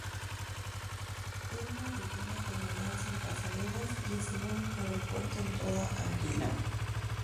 Tiene una pequeña terminal sin pasarelas y es el único aeropuerto en toda Anguila.